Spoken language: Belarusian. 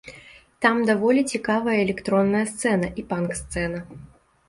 Там даволі цікавая электронная сцэна і панк-сцэна.